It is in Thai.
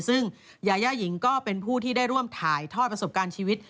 ซึ่งยาย่าหญิงก็เป็นผู้ที่ได้ร่วมถ่ายทอดประสบการณ์ชีวิต